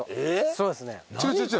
そうですね。えっ？